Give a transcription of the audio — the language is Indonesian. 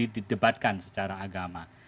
didebatkan secara agama